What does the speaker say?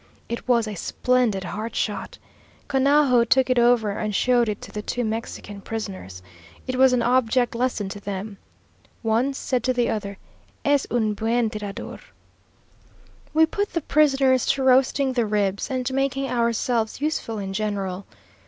It was a splendid heart shot. Conajo took it over and showed it to the two Mexican prisoners. It was an object lesson to them. One said to the other, "Es un buen tirador." We put the prisoners to roasting the ribs, and making themselves useful in general.